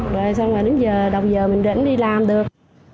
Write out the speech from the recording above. rồi xong rồi đến giờ đồng giờ mình rễn đi làm được